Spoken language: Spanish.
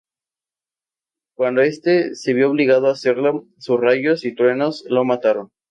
Cuando este se vio obligado a hacerlo, sus rayos y truenos la mataron.